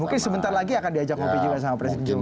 mungkin sebentar lagi akan diajak ngopi juga sama presiden jokowi